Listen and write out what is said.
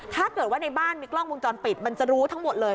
ถ้าเกิดว่าในบ้านมีกล้องวงจรปิดมันจะรู้ทั้งหมดเลย